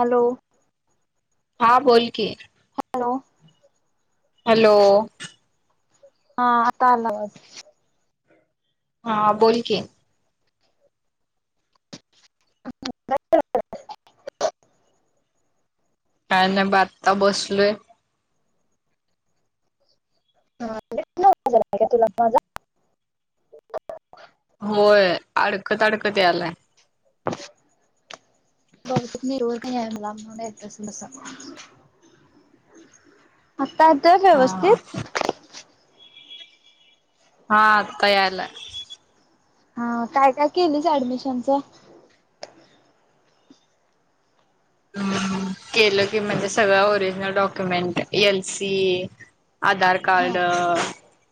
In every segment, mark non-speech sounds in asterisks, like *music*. Hello हा बोल की हॅलो हॅलो हा आता आवाज हा बोलकी काय नाही ब आत्ता बसलोय *unintelligible* *unintelligible* होय अडकत अडकत यालाय *unintelligible* बहुतेक नेट्वरक नाहीये मला म्हणून येत असल तस आता येतोय हा हा व्यवस्थित हा आता यायलाय हा काय काय केलीस ऍडमिशनच *unintelligible* हम्म केलं की म्हणजे सगळं original document L C Aadhaar हा कार्ड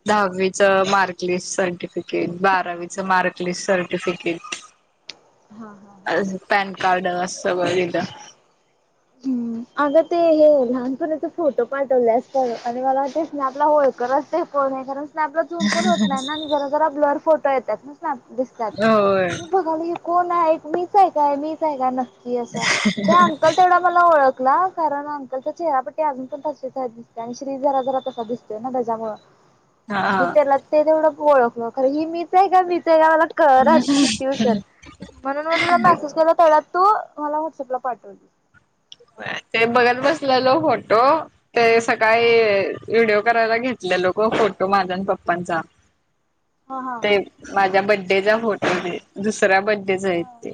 दहावीचं मार्कलिस्ट सर्टिफिकेट बारावीचं मार्कलिस्ट सर्टिफिकेट *unintelligible* अ पॅन कार्ड अस वैग अग ते हे लहानपणाचे फोटो पाठवलेस प आणि मला ते स्नॅप ला ओळखनच कोण आहे कर स्नॅपला झूम पण होत नाही ना जरा जरा ब्लर फोटो येतात ना स्नॅप दिसतात होय मी बघाली कोण आहे मीच आहे काय मीच आहे का नक्की असं त्या अंकल तेवढा मला ओळख ला कारण अंकलचा चेहरापट्टी अजून पण त दिसते आणि श्री जरा जरा तसा दिसतोय ना त्याच्यामुळ आणि मी हा त्याला ते तेवढं ओळखल खर ही मीच आहे का मी ते का मला कळनाच किती उशर म्हणून मग तुला मेसेज केला तेवड्या तो मला व्हॉट्सअपला पाठवल ते बघत बसलेलो फोटो ते सकाळी व्हिडिओ कराला घेतलेलो ग फोटो माझ आणि पप्पचा हा हा ते माझ्या ब डेचा फोटो दुसऱ्या बड्डेचा आहेत ते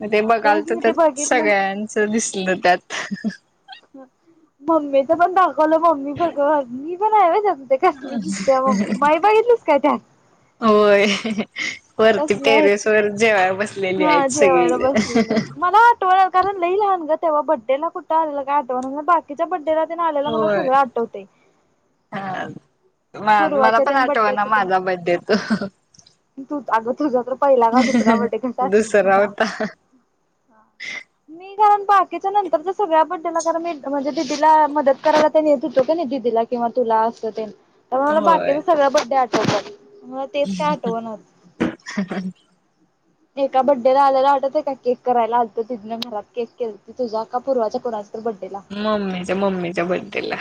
म ते हा तेच बघालतो मी तर ते बघितलं सगळ्यांच दिसलं त्यात मम्मीच पण दाखवलो मम्मी बघून मी पण हाय व्हय त्यात म्हंत्या कसली दिसत्या मम्मी माई बघितलीस काय त्यात होय वरती कसले टेरेस वर जेवाय आहेत बसलेली आ आहेत जेवायला सगळी बसलेलं मला आटवलं कारण लय लहान ग तवा बड्डे ला कुठ आपल्याला काय आठवत बाकीच्या बड्डे ला तर तेन आलेला मला होय सगळं आठवतय म मला पण आटवना माझा बड्डे तो तू अगं तुझा तर पहिला का दुसरा बड्डे कस आटवणार दुसरा तुला होता हा मी कारण बाकीच्या नंतरच्या सगळ्या बड्डेला कारण मी म्हणजे दिदीला मदत करायला येत होते कणी नई दिदीला तुला अस ते मला होय बाकीच सगळ बड्डे आठवतात ह तेच काय आठवनात एका बड्डेला आल्याला आटवतंय का केक करायला आलत तीज्या मला केक केलं त तुझा का पूर्वाच्या कोणाचा मम्मीच्या मम्मीच्या बड्डेला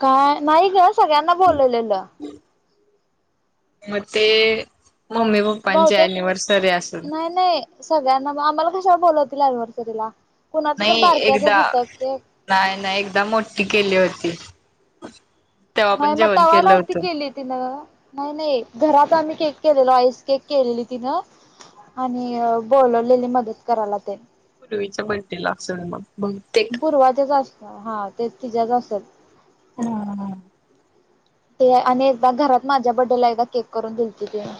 काय नाही ग सगळ्यांना बोलवलेल म ते मम्मी पप्पांची बहुतेक अनिव्हर्सरी असल नव आम्हाला कशा ला बोलवतील अनिव्हर्सरीला कुणाचं तर नाइ एकदा बारक्याचच होतं केक नाइ नाइ एकदा मोटी केली होती *unintelligible* नाइ पण मग जेवण तवा केलं नव्हती होतं केली तिन नाइ नाइ घरात आम्ही केक केलेला आईस केक केलेली तिनं आणि बोलवलेली मदत करायला तेन पूर्वीच्या बड्डे ला असेल मग बहुतेक पूर्वाचा च *unintelligible* हा तेच तिचाच असल मग हा हा ते आणि एकदा घरात माझ्या बड्डेला एकदा केक करून दिलती तीन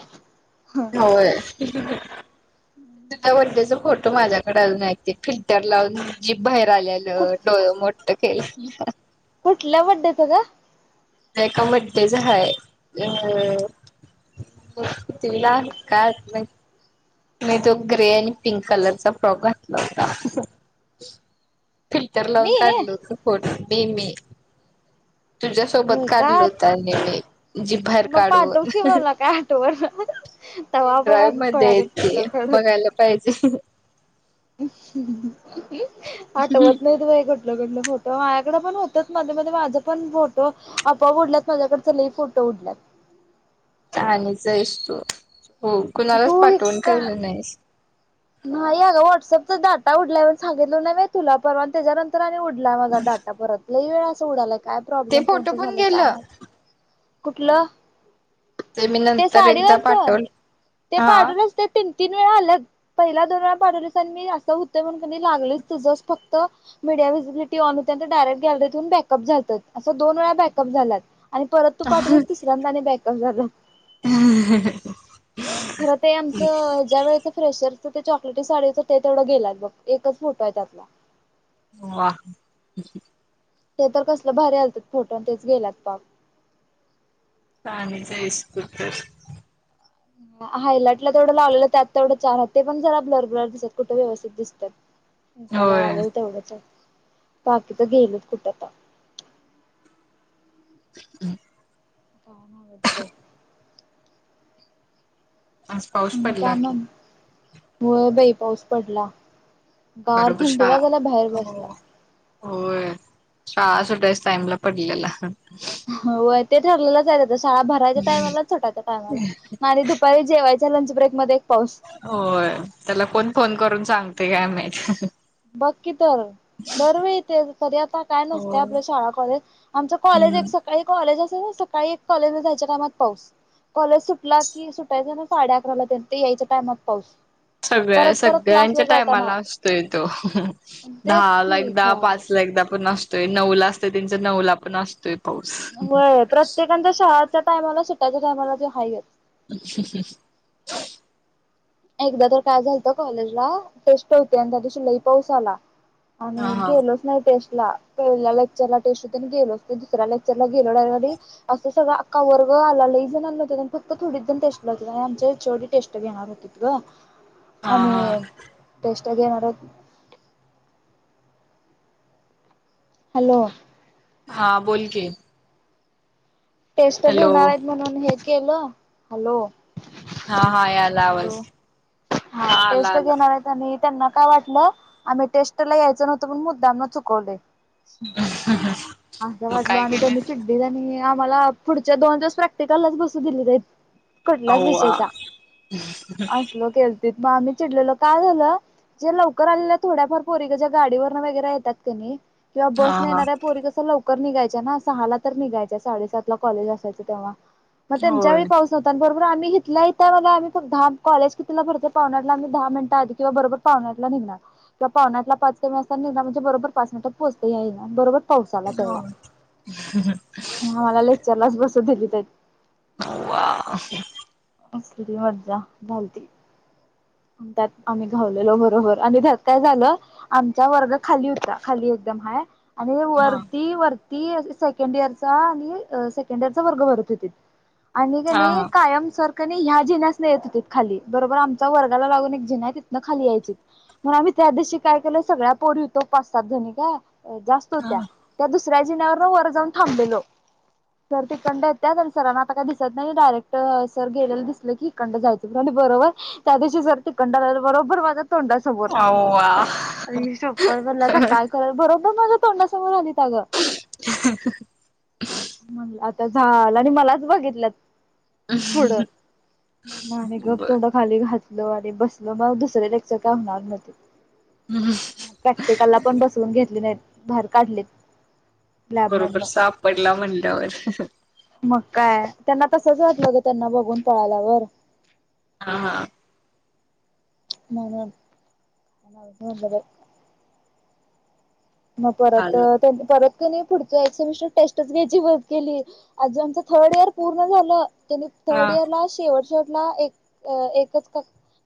होय *unintelligible* फोटो माझ्याकडे अजून आयत ते फिल्टर लावून जीभ बाहेर कुठ आलेलं डोळे मोठ करून *inaudible* कुटल्या बड्डेच ग एका बड्डेच हाय अ *unintelligible* नाही तो ग्रे आणि पिंक कलरचा फ्रॉक घातला होता फिल्टर लावून मी काढल होत फोटो *unintelligible* तुझ्यासोबत होय का काढल होत आणि मी जीभ बाहेर मग पाठव काढून की मला काय आठवण तवा पण पेनड्राईव्ह असंच मध्ये कोणाकडे आहेत ते फोटो काढत बघायला पाहिजे आठवत नाहीत बाई फोटो माझ्याकडे पण होतच मध्ये मध्ये माझं पण फोटो आपोआप ऊडल्यात माझ्याकड च फोटो गुड लक *unintelligible* आहेस तू हो कुणालाच तू पाठवून एक ठेवले नाहीस नाही अग व्हॉट्सअपचा डाटा उडलाय म्हणून सांगितलंय नाही वय तुला परवा तेज्यानंतर आणि उ ला माझा डाटा परत लइ वेळा अस उडालाय काय ते प्रॉब्लेम फोनच फोटो पण झालय काय गेलं माहित कुटलं मी ते नंतर एकदा साडीवरच पाठवलं ते हा पाडूनच ते *inaudible* तीन वेळा आल्या पहिला दोन वेळा पाठवले आणि मी असं होतेण कधी लागलेच तुझस फक्ती बॅकअप झालतात असं पटवलिस तिसऱ्यांदा आणि बॅकअप झाल खर ते आमचं अ ज्यावेळच फ्रेशर तू ते चॉकलेटी साडीच ते तेवढं गेलात बघ एकच फोटो आहे त्यातला. वा. ते तर कसलं भारी आलतत फोटो तेच गेलात पाप पाणी जैस कुठ हायलाइटला तेवढं लावलेलं त्यात तेवढं चार हात ते पण जरा ब्लर ब्लर दिसत कुठं व्यवस्थित दिसतात. इटाला होय लागल तेवढंच बाकी तर गेलच कुठ ता *inaudible* काम आवरते आज पाऊस आणि काय पडला की. मग होय बाई पाऊस पडला. गार बरोबर थंडी वाजायेली बाहेर शाळा हो बसला. होय शाळा सुटायच टाईमला पडलेला. व्हय ते ठरलेलंच आहे शाळा भरायच्या टायमला आन सुटायच्या टायमला आणि दुपारी जेवायच्या लंच ब्रेकमध्ये होय त्याला कोण फोन करून सांगतया मॅच. बघा की तर. दरवेळथ तरी आता काय हो नसते आपलं शाळा कॉलेज आमच कॉलेज हम्म एक सकाळी कॉलेज अस तरी सकाळी एक कॉलेज ला जायच्या टाईमात पाऊस. कॉलेज सुटला की सुटायच म साडे अकराला तर ते यायच्या टायमात पाऊस. सगळ्या परत परत सगळ्यांच्या क्लासला जाताना टायमाला असतोय तो. तेच दहा ला की एकदा खुळ्यागत पाच ला एकदा पण अस ते नऊला असत त्यांच्या नऊला पण असतेत व्हय, प्रत्येकांच्या शहाच्या टायमाला सुटयाच्या टायमाला ते हाहे. अच्छाच्छ एकदा तर काय झालत कॉलेजला टेस्ट होती आणि त्यादिशी लई पाऊस आला. हा आणि हा गेलोच नाही टेस्ट ला पहिल्या लेक्चर ला तोशिकन गेलो ते दुसऱ्या लेक्चर ला गेलो *unintelligible* अस सगळ अख्खा वर् तो आला लई जणांमध्ये नंतर त थोडी जण टेस्ट ला होते आणि आमच्या एचओडी टेस्ट घेणार होते ग हा आणि हा टेस्ट घेणारोत हॅलो. हा बोल की. टेस्ट हॅलो घेणार आहेत म्हणून हे केलं हॅलो हा हा याला आवाज हॅलो हा आला टेस्ट आला. घेणार आहेत आणि त्यांना काय वाटलं आम्ही टेस्ट ला यायचं नव्हतं पण मुद्दामन चुकवलय असं मग वाटलो काय आणि त्यांनी केलेस चिड्डीजणी मला पुढच्या दोन दिवस प्रॅक्टिकललाच बसू दिले नाहीत. कुटलाच अव्वा विषयचा, असलो केलती मग आम्ही चिडलेलो काय झालं? जे लवकर आलेल्या थोड्याफार पोरी ग ज्या गाडीवरन वगैरे येतात कनी किंवा हा बसने हा येऱ्या पोरी कसं लवकर निघायच्या ना सहाला तर निघायच्या साडे सातला कॉलेज असयचं तेव्हा म होय त्यांच्यावेळी पाऊस होतात भर पूर आम्ही घेतलाय त बगा आम्ही पण धा कॉलेज कितीला भरते पावणे आठला आमी दहा मिनटं आधी किंवा बरोबर पावणे आठ लाख नि घिणार त पावणे आठ ला पाच कमी असता निघणार म्हणजे बरोबर पाच मिनिटात पोहोचतो याइना बरोबर? पाऊस आला तेव्हा होय. आणि आम्हाला लेक्चरलाच बसू दिली देत. होवा असली ती मज्जा झालती. त्यात आम्ही घावलेलो बरोबर आणि त्यात काय झालं आमचा वर्ग खाली होता खाली होत त म्हाय आणि हा वरती वर ती सेकंड इयरचा आणि सेकंड इयरचा वर्ग भरत होती आणि हा कनी कायम सर कनी ह्या जिन्यासने येत होतेत खाली बरोबर आमचा वर्ग लागून एक जीना आहे तिथनं खाली यायची मग आम्ही त्या दिवशी काय केलं सगळ्या पोरी होतो पाच सात जणी काय. जास्त हा होत्या त्या दुसऱ्या जिण्यावरन वर जाऊन थांबलेलो सर तिकंड येत्यात आणि सरां आता काय दिसत नाही डायरेक्ट सर गेलेल दिसल की इकंड जायचं बरोबर त्या दिवशी सर तिकडं कंडा *unintelligible* बरोबर तोंडासमोर अव्वा अय शप्पत *unintelligible* काय कर बरो माझ्या तोंडासमोर आलीत ग म्ह झालं आणि मलाच बघितल्यात पुढं नाही आणि गफ बर तोंड खाली घात बलो आणि बसल मग दुसरे लेक्चर काय होणार न्हवतीत प्रॅक्टिकलला पण बसवून घेतली नाहीत बाहेर काढलीत लॅबमधन बरोबर सापडला म्हणल्यावर मग काय त्यांना तसंच वाटल बघ *unintelligible* त्यांना बघून पळाल्यावर हा हा म *unintelligible* मग परत आलं त्यांनी परत पुढच सेमीस्टर टेस्टच घ्यायची बंद केली अजून आमच थर्ड इयर पूर्ण झालं त्यांनी थर्ड हा इयर ला शेवट शेवट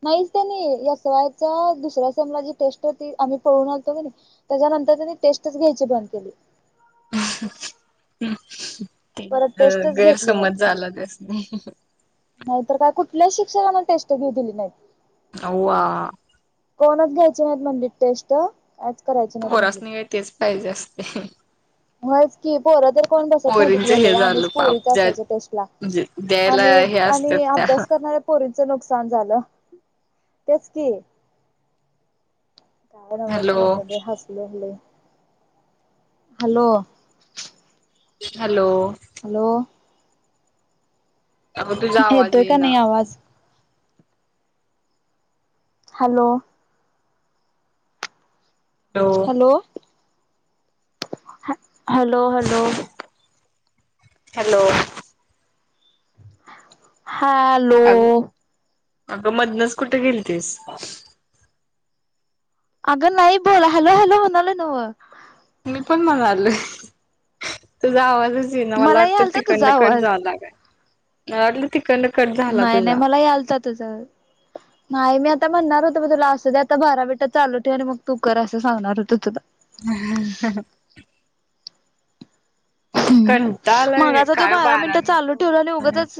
नाही त्यानी एस वाय च्या दुसऱ्या सेमला जी टेस्ट आम्ही पळून आलतो त्याच्यानंतर त्यानी टेस्टच घ्यायची बंद केली. *unintelligible* ते परत टेस्टच घेतली नाहीत. गैरसमज झाला त्यासनी नाहीतर काय कुठल्या शिक्षकांना टेस्ट घेऊ दिली नाहीत. अवा. कोणच घ्यायचे नाहीत म्हंटलंबीत टेस्ट करायचे नाहीत म्हणलीत. पोरासनि यळतेच पाहिजे असते मज की पोर तर कोण बसत पोरींच हे नव्हतं आम्हीच झालं पाप पोरी ज्या बसायचो टेस्ट ला म्हणजे द्यायला आणि हे असतात आणि त्या अभ्यास कर ना पोरीच नुकसान झालं तेच की हॅलो *unintelligible* हसू लागले. हॅलो. हॅलो. हॅलो. अगं तुझा आवाज ठेतोय का येईना नाही आवाज. Hello. Hello hello hello. Hello. Hello. अग अगं मधनच कुठ गेलतीस अगं नाही बोला हॅलो हॅलो म्हणालोय नाव मी पण म्हणालोय तुझा आवाजच पहिला मला वाट यालता तुझा तिकडंन कट आवाज मला वाटलं ती नाही नाही मलाही आलता तूज नाही मी आ आता म्हणार होतं मी तुला असुदे दे आता बारा बेटा चालू ठेव आणि मग तू कर असं सांगणार होते तुला. *unintelligible* हम्म कंटाळा आलाय मगाचा तो काय बारा मिनिट चालू मिनिटं ठेवला होत आणि नाहीत. उगाचच.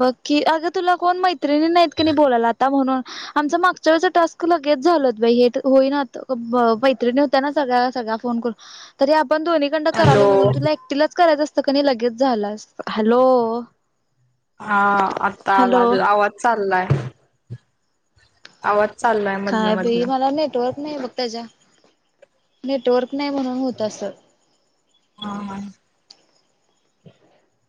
बघकी अग तुला कोण मैत्रिणी नाहीत कणी बोलायला आता म्हणून आमच मागच्या वेळचा टास्क लगेच झालेत हे होईनात मैत्रिणी होत्या ना सगळ्या सळ्या फोन करून तरी आप पण दोन्ही कंडं करालोय म्हणून हॅलो तुला एकटीलाच करायचं असतं का नाही लगेच झालं असत, हॅलो. हा आता आला हॅलो ग आवाज चाललाय आवाज चाललाय मधन काय ब मधन मला हा नेटवर्क नाही बघ त्याच्या नेटवर्क नाही म्हणून होत अस. हा *unintelligible*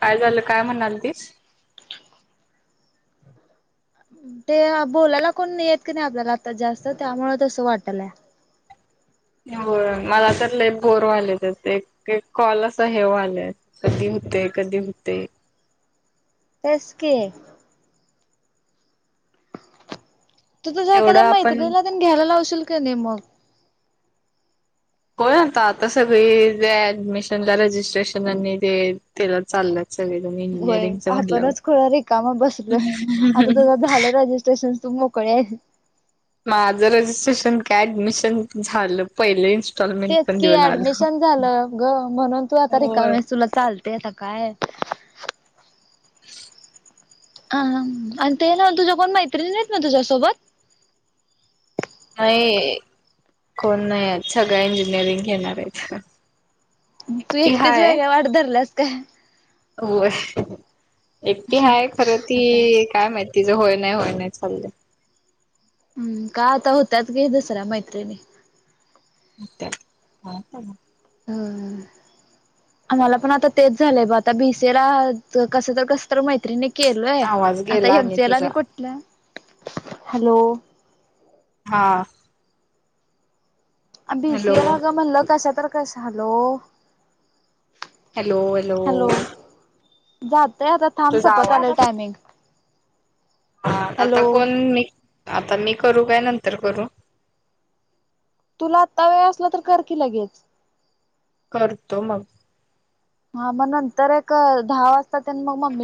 काय झालं काय म्हणाल तीस ते बोलायला कोण येत की नाही आपल्याला आता जास्त त्यामुळं तस वाटलाये हो मला त्यातले एक बोरवाले त्या एक कॉल अस हेवलंय की होते कधी होते. तस की. तू तुझ एवढं एखाद्या माहत आपण नाही घ्यायला लावशील का नाही मग होय आता आता सगळी ऍडमिशनला रजिस्ट्रेशन तेला चाललंय. व्हय आपणच खड रिकामा बसलोय आता तुझं झालंय रजिस्ट्रेशन तुम मोकळीये माझं रिट्रेशन ऍडमिशन झालं पहिलेच. तेच की ऍडमिशन झालं ग म्हणून तू आता होय रिकामेस तुला चाल ते त काय. *unintelligible* ह आणि ते ना तुझ्या कोण मैत्रिणी नाहीेत ना तुझ्यासोबत नाही कोण नाही सगा इंजिनिअरिंग घेणार आहे का तू एकटीच वेगळ वाट धरलास काय होय एकटे हाय खरं आता ती काय माहिती तिचे होय नाही होय नाही चालले हम्म का आता होत्याच गे दुसऱ्या मैत्रिणी अ ह ह आमला पण आता तेच झालंय ब आता भीसेला कस तर कस तर मैत्रीिणी केलोय आवाज आता गेला हेजेला तुझा आणि कुठलं हॅलो हा हॅलो बीसी एला ग म्हणलं कशा तर कस आलो हॅलो हॅलो जातय आता थांब तुझा सपत आवाज आलंय टायमिंग हा हॅलो आता कोण मी आता मी करू काय नंतर करू तुला आत्ता वेळ असला तर करकीि लगेच करतो मग हा मग नंतर एक दहा वाजता मग मम्मी